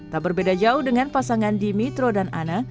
tak berbeda jauh dengan pasangan dimitro dan ana